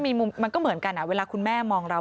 มันก็เหมือนกันเวลาคุณแม่มองเรา